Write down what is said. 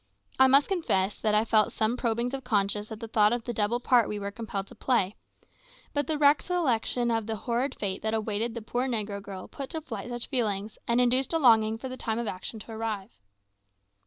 I must confess that I felt some probings of conscience at the thought of the double part we were compelled to play; but the recollection of the horrid fate that awaited the poor negro girl put to flight such feelings, and induced a longing for the time of action to arrive.